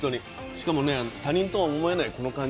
しかもね他人とは思えないこの感じね。